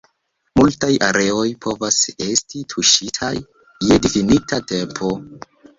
Multaj areoj povas esti tuŝitaj je difinita tempo.